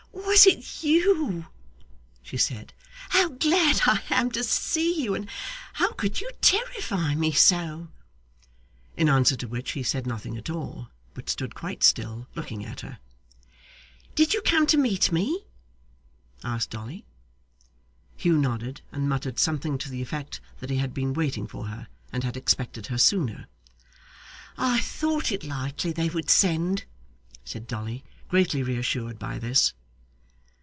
'Was it you?' she said, 'how glad I am to see you! and how could you terrify me so!' In answer to which, he said nothing at all, but stood quite still, looking at her. 'Did you come to meet me?' asked Dolly. Hugh nodded, and muttered something to the effect that he had been waiting for her, and had expected her sooner. 'I thought it likely they would send,' said Dolly, greatly reassured by this.